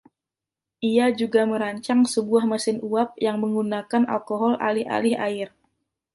Ia juga merancang sebuah mesin uap yang menggunakan alkohol alih-alih air.